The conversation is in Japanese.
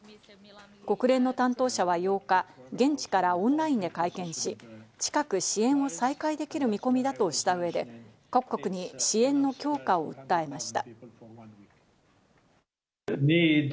国連の担当者は８日、現地からオンラインで会見し、近く支援を再開できる見込みだとした上で、各国に支援の強化を訴えました。